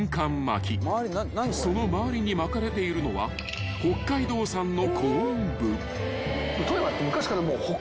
［その周りに巻かれているのは北海道産の］